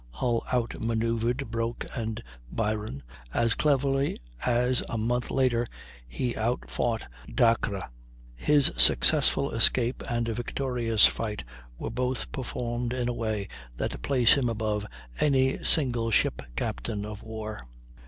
Hull out manoeuvred Broke and Byron as cleverly as a month later he out fought Dacres. His successful escape and victorious fight were both performed in a way that place him above any single ship captain of war.